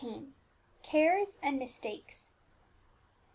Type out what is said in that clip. CARES AND MISTAKES.